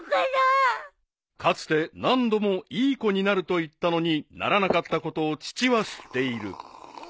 ［かつて何度もいい子になると言ったのにならなかったことを父は知っている］